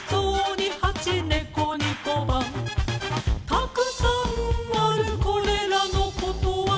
たくさんあるこれらのことわざ